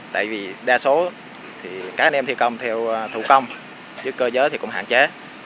tại vì đa số các anh em thi công theo thủ công chứ cơ giới cũng hạn chế